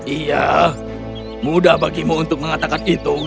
iya mudah bagimu untuk mengatakan itu